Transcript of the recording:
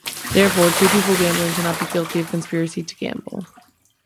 Therefore, two people gambling cannot be guilty of conspiracy to gamble.